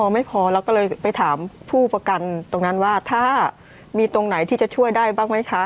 ไม่พอเราก็เลยไปถามผู้ประกันตรงนั้นว่าถ้ามีตรงไหนที่จะช่วยได้บ้างไหมคะ